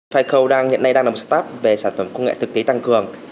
faco hiện nay đang là một startup về sản phẩm công nghệ thực tế tăng cường